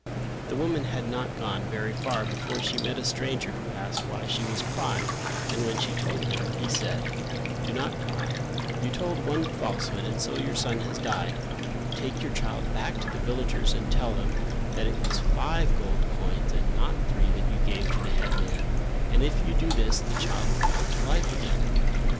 The woman had not gone very far before she met a stranger who asked why she was crying and when she told him, he said: "Do not cry: you told one falsehood and so your son has died. Take your child back to the villagers and tell them that it was five gold coins and not three that you gave to the headman and if you do this the child will come to life again."